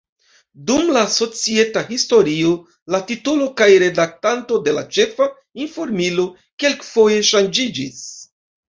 Dum la societa historio la titolo kaj redaktanto de la ĉefa informilo kelkfoje ŝanĝiĝis.